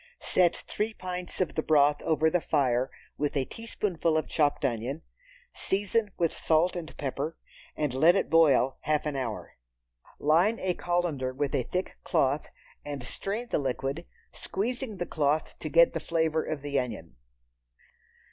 Set three pints of the broth over the fire with a teaspoonful of chopped onion, season with salt and pepper, and let it boil half an hour. Line a colander with a thick cloth, and strain the liquid, squeezing the cloth to get the flavor of the onion.